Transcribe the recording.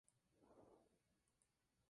Jugaba de defensor y su primer club fue Ferro.